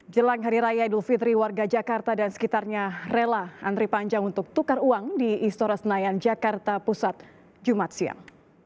jelang hari raya idul fitri warga jakarta dan sekitarnya rela antri panjang untuk tukar uang di istora senayan jakarta pusat jumat siang